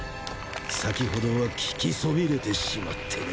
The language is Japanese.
先程は聞きそびれてしまってね。